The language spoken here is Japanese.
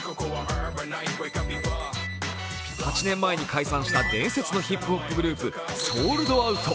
８年前に解散した伝説のヒップホップグループＳＯＵＬ’ｄＯＵＴ。